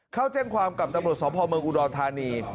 เข้าแจ้งความกับตำรวจสพเมืองอุดรธานี